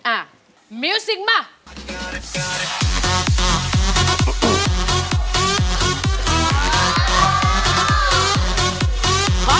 อ่ะมิวซิงค์มา